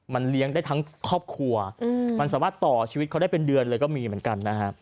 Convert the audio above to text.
มันเลี้ยงได้ทั้งครอบครัวมันสามารถต่อชีวิตเขาได้เป็นเดือนเลยก็มีเหมือนกันนะฮะ